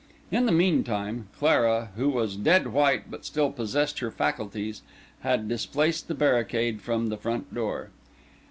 In the meantime, Clara, who was dead white but still possessed her faculties, had displaced the barricade from the front door.